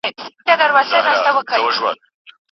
سوسیالیزم د ټولني د نابرابرۍ ضد دی.